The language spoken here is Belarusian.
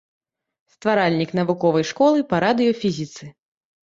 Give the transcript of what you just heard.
Стваральнік навуковай школы па радыёфізіцы.